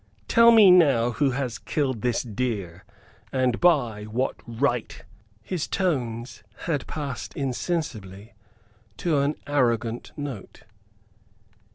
Tell me now who has killed this deer, and by what right?" His tones had passed insensibly to an arrogant note.